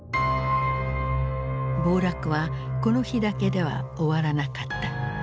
暴落はこの日だけでは終わらなかった。